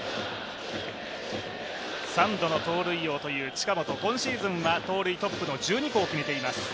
３度の盗塁王という近本、今シーズンは盗塁トップの１２個を決めています。